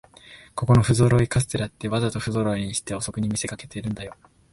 ここのふぞろいカステラって、わざとふぞろいにしてお得に見せかけてるんだよ